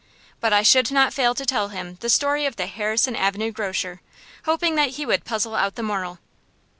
But I should not fail to tell him the story of the Harrison Avenue grocer, hoping that he would puzzle out the moral.